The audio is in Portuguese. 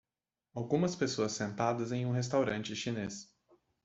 Algumas pessoas sentadas em um restaurante chinês